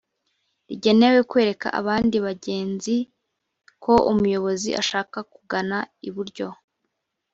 rigenewe kwereka abandi bagenzi ko umuyobozi ashaka kugana iburyo